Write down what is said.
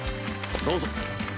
どうぞ。